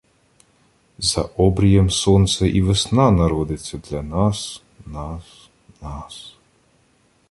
За обрієм Сонце і весна Народиться для нас, нас, нас...